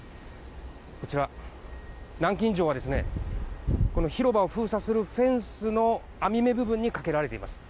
こちら、南京錠は広場を封鎖するフェンスの網目部分にかけられています。